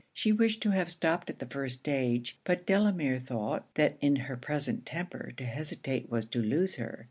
She wished to have stopped at the first stage; but Delamere thought, that in her present temper to hesitate was to lose her.